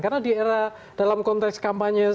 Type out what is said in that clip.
karena di era dalam konteks kampanye